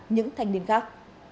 những thanh niên khác